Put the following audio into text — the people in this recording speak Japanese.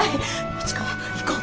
市川行こう。